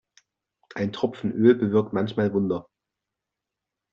Ein Tropfen Öl bewirkt manchmal Wunder.